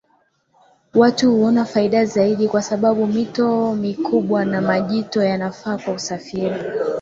Watu huona faida zaidi kwa sababu mito mikubwa na majito yanafaa kwa usafiri